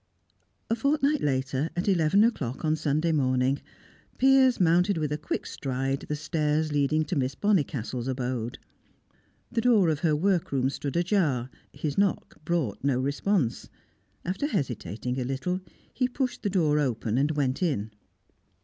A fortnight later, at eleven o'clock on Sunday morning, Piers mounted with a quick stride the stairs leading to Miss Bonnicastle's abode. The door of her workroom stood ajar; his knock brought no response; after hesitating a little, he pushed the door open and went in.